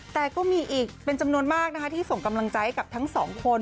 แต่ก็มีอีกเป็นจำนวนมากนะคะที่ส่งกำลังใจกับทั้งสองคน